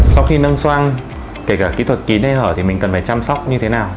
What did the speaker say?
sau khi nâng so kể cả kỹ thuật kín hay hở thì mình cần phải chăm sóc như thế nào